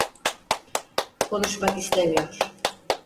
Konuşmak istemiyor.